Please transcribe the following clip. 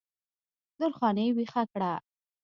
درخانۍ ویښه کړه